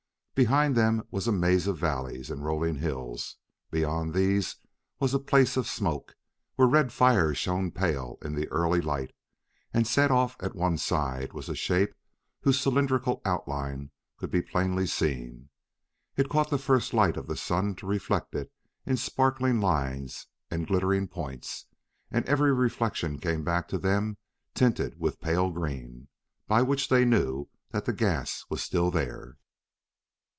Behind them was a maze of valleys and rolling hills; beyond these was a place of smoke, where red fires shone pale in the early light, and set off at one side was a shape whose cylindrical outline could be plainly seen. It caught the first light of the sun to reflect it in sparkling lines and glittering points, and every reflection came back to them tinged with pale green, by which they knew that the gas was still there.